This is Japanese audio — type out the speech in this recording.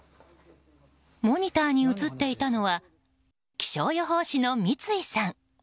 モニターに映っていたのは気象予報士の三井さん。